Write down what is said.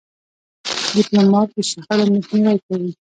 ډيپلومات له شخړو مخنیوی کوي.